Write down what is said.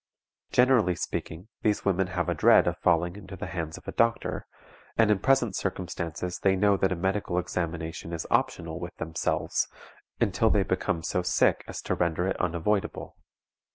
Generally speaking, these women have a dread of falling into the hands of a doctor, and in present circumstances they know that a medical examination is optional with themselves, until they become so sick as to render it unavoidable.